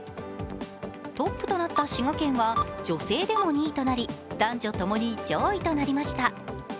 トップとなった滋賀県は、女性でも２位となり男女ともに上位となりました。